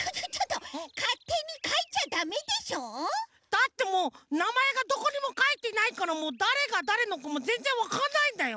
だってもうなまえがどこにもかいてないからだれがだれのかぜんぜんわかんないんだよ